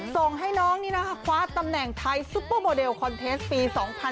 ส่งให้น้องนี่นะคะคว้าตำแหน่งไทยซุปเปอร์โมเดลคอนเทสปี๒๕๖๒